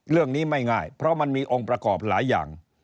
เรื่องนี้ไม่ง่ายเพราะมันมีองค์ประกอบหลายอย่าง